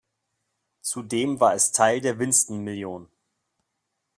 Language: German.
Zudem war es Teil der Winston Million.